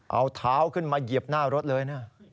เอาเงี้ยวขึ้นมาเหยียบหน้ารถเลยเนี่ย